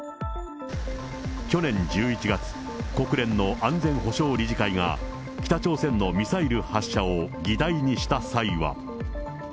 去年１１月、国連の安全保障理事会が北朝鮮のミサイル発射を議題にした際は。